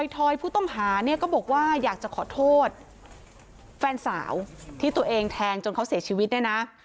ทอยผู้ต้องหาเนี่ยก็บอกว่าอยากจะขอโทษแฟนสาวที่ตัวเองแทงจนเขาเสียชีวิตเนี่ยนะ